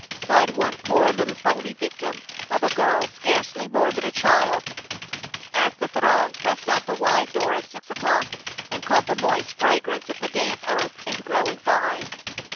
sighed one poor little bony victim of a girl, scarcely more than a child, as the throng pressed out the wide door at six o'clock and caught the moist fragrance of the damp earth and growing vine.